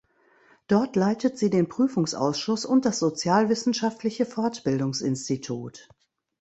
Dort leitet sie den Prüfungsausschuss und das Sozialwissenschaftliche Fortbildungsinstitut.